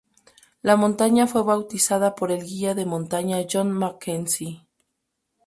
La montaña fue bautizada por el guía de montaña John MacKenzie.